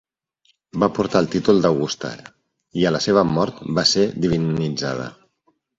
Va portar el títol d'augusta i a la seva mort va ser divinitzada.